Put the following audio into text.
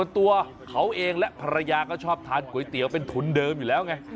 ตัวเขาเองและภรรยาก็ชอบทานก๋วยเตี๋ยวเป็นทุนเดิมอยู่แล้วไง